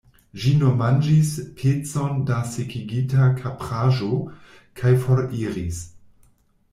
Ĝi nur manĝis pecon da sekigita kapraĵo, kaj foriris.